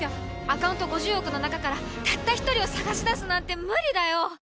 アカウント５０億の中からたった１人を探し出すなんて無理だよ。